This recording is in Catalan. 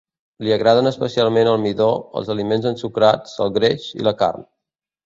Li agraden especialment el midó, els aliments ensucrats, el greix, i la carn.